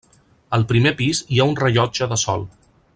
Al primer pis hi ha un rellotge de sol.